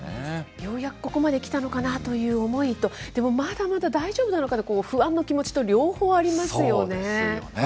ようやくここまで来たのかなという思いと、でもまだまだ大丈夫なのかなという不安の気持ちと、両方ありますそうですよね。